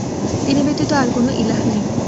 তিনি ব্যতীত আর কোন ইলাহ নেই।